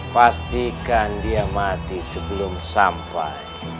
pastikan dia mati sebelum sampai